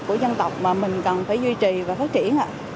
của dân tộc mà mình cần phải duy trì và phát triển